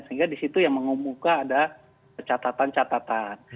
sehingga di situ yang mengumumkan ada catatan catatan